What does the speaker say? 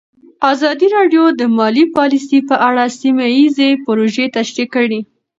ازادي راډیو د مالي پالیسي په اړه سیمه ییزې پروژې تشریح کړې.